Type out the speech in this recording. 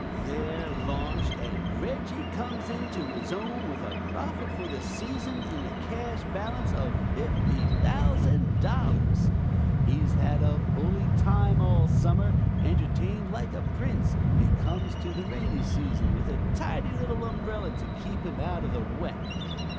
They're launched, and Reggie comes into his own with a profit for the season in a cash balance of $50,000. He's had a bully time all summer, entertained like a Prince, and comes to the rainy season with a tidy little umbrella to keep him out of the wet."